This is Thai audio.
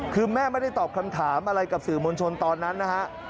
คือแม่ไม่ได้ตอบคำถามอะไรกับสื่อมวลชนตอนนั้นนะฮะ